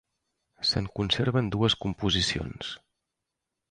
Se'n conserven dues composicions.